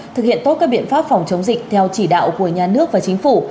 thực hiện tốt các biện pháp phòng chống dịch theo chỉ đạo của nhà nước và chính phủ